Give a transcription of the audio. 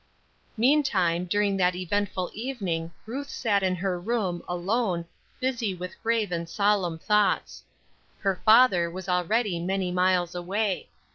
Meantime, during that eventful evening Ruth sat in her room, alone, busy with grave and solemn thoughts. Her father was already many miles away.